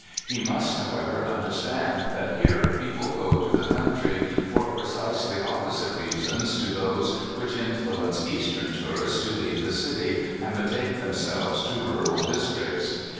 He must, however, understand that here people go to the country for precisely opposite reasons to those which influence Eastern x tourists to leave the city and betake themselves to rural districts.